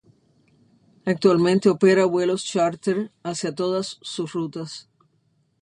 Actualmente, opera vuelos chárter hacía todas sus rutas.